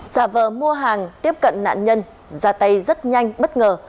giả vờ mua hàng tiếp cận nạn nhân ra tay rất nhanh bất ngờ